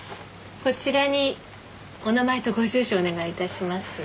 こちらにお名前とご住所をお願い致します。